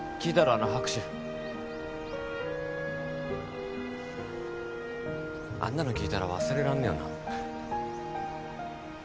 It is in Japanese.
あの拍手あんなの聞いたら忘れらんねえよな